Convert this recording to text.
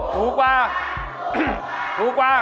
ขอให้ถูกกว่า